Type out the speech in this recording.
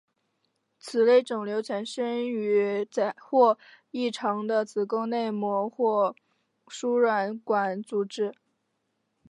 这类肿瘤产生于或异常的子宫内膜或输卵管组织。